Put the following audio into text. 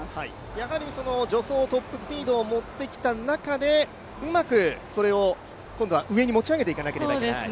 やはり助走トップスピードを持ってきた中でうまくそれを今度は上に持ち上げていかなければいけない。